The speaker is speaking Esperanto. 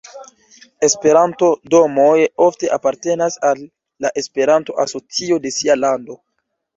Esperanto-domoj ofte apartenas al la Esperanto-asocio de sia lando.